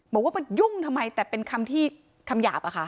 บอกว่ามันยุ่งทำไมแต่เป็นคำที่คำหยาบอะค่ะ